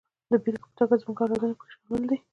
د بېلګې په توګه زموږ اولادونه پکې شامل دي.